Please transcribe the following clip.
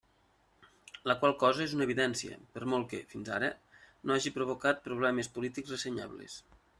La qual cosa és una evidència, per molt que, fins ara, no haja provocat problemes polítics ressenyables.